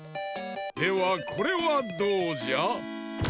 ではこれはどうじゃ？